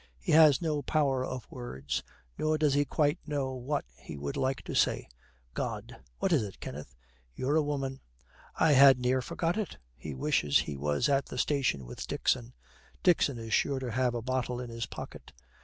He has no power of words, nor does he quite know what he would like to say. 'God!' 'What is it, Kenneth?' 'You're a woman.' 'I had near forgot it.' He wishes he was at the station with Dixon. Dixon is sure to have a bottle in his pocket.